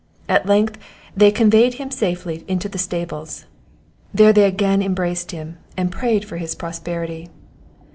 At length they conveyed him safely into the stables; there they again embraced him, and prayed for his prosperity.